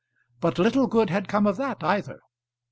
But little good had come of that either.